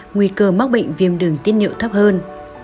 nguy cơ mắc bệnh viêm đường tiết niệu thấp hơn